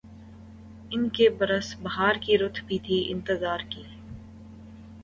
اب کے برس بہار کی‘ رُت بھی تھی اِنتظار کی